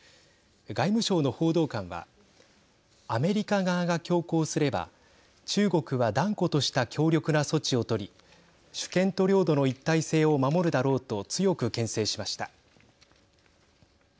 外務省の報道官はアメリカ側が強行すれば中国は断固とした強力な措置を取り主権と領土の一体性を守るだろうと強く、けん制しました。